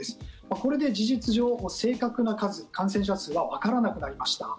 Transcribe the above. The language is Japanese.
これで事実上正確な数、感染者数はわからなくなりました。